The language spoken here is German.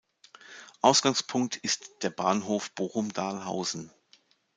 Ausgangspunkt ist der Bahnhof Bochum-Dahlhausen.